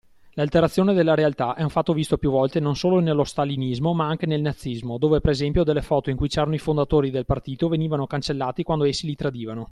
L'alterazione della realtà è un fatto visto più volte non solo nello stalinismo ma nache nel nazismo dove per esempio delle foto in cui c'erano i fondatori del partito venivano cancellati quando essi li tradivano.